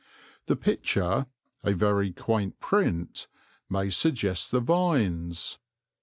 The picture, a very quaint print, may suggest the vines.